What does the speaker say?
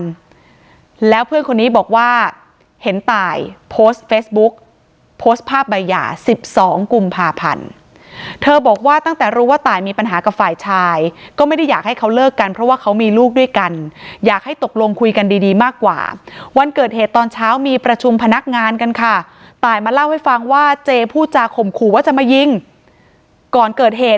กันแล้วเพื่อนคนนี้บอกว่าเห็นตายโพสต์เฟซบุ๊กโพสต์ภาพใบหย่าสิบสองกุมภาพันธ์เธอบอกว่าตั้งแต่รู้ว่าตายมีปัญหากับฝ่ายชายก็ไม่ได้อยากให้เขาเลิกกันเพราะว่าเขามีลูกด้วยกันอยากให้ตกลงคุยกันดีดีมากกว่าวันเกิดเหตุตอนเช้ามีประชุมพนักงานกันค่ะตายมาเล่าให้ฟังว่าเจพูดจากข่มขู่ว่าจะมายิงก่อนเกิดเหตุ